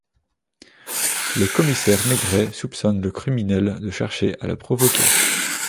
Le commissaire Maigret soupçonne le criminel de chercher à le provoquer.